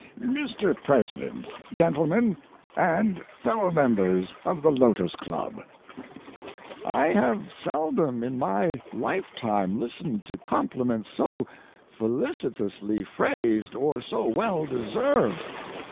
MR. PRESIDENT, GENTLEMEN, AND FELLOW MEMBERS OF THE LOTOS CLUB,—I have seldom in my lifetime listened to compliments so felicitously phrased or so well deserved.